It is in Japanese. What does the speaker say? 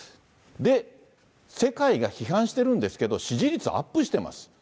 で、世界が批判してるんですけど、支持率アップしてます。